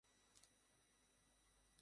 এরপর কী হলো, স্যার?